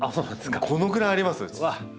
このぐらいありますうち。